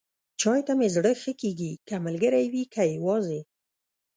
چای ته مې زړه ښه کېږي، که ملګری وي، که یواځې.